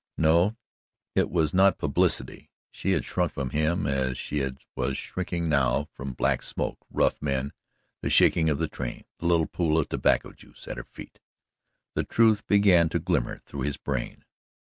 No, it was not publicity she had shrunk from him as she was shrinking now from black smoke, rough men, the shaking of the train the little pool of tobacco juice at her feet. The truth began to glimmer through his brain.